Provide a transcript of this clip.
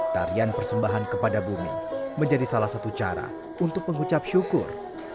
tarian persembahan kepada bumi menjadi salah satu cara untuk mengucap syukur